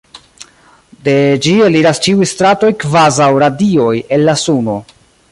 De ĝi eliras ĉiuj stratoj kvazaŭ radioj el la suno.